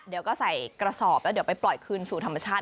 เดี๋ยวก็ใส่กระสอบแล้วเดี๋ยวไปปล่อยคืนสู่ธรรมชาติ